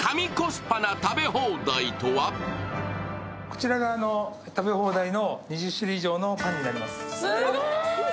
こちらが食べ放題の２０種類以上のパンになります。